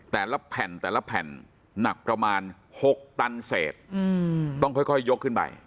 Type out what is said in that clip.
แต่ละแผ่นแต่ละแผ่นหนักประมาณ๖ตันเศษต้องค่อยยกขึ้นไป